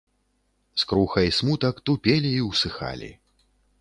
Скруха і смутак тупелі і ўсыхалі.